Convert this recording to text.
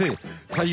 はい！